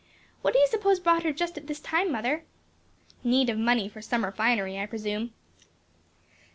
What do you suppose brought her just at this time, mother?" "Need of money for summer finery, I presume.